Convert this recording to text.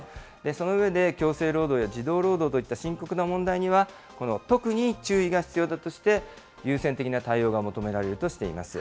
その上で強制労働や児童労働といった深刻な問題には、特に注意が必要だとして、優先的な対応が求められるとしています。